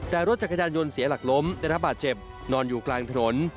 แต่รถจักรยานยนต์เสียหลักล้มได้รับบาดเจ็บนอนอยู่กลางถนน